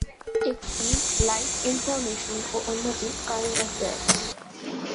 একটি light information ও অন্যটি কারেন্ট অ্যাফেয়ার্স।